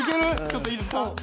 ちょっといいですか？